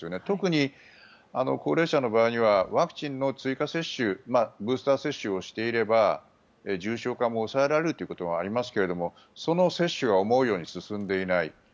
特に高齢者の場合にはワクチンの追加接種ブースター接種をしていれば重症化も抑えられるということもありますがその接種が思うように進んでいない。